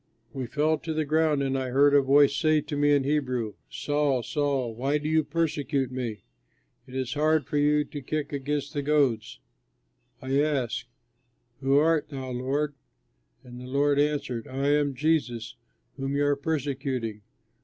We fell to the ground, and I heard a voice say to me in Hebrew, 'Saul, Saul, why do you persecute me? It is hard for you to kick against the goads.' I asked, 'Who art thou, Lord?' and the Lord answered, 'I am Jesus whom you are persecuting.